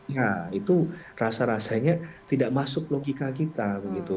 ya itu rasa rasanya tidak masuk logika kita begitu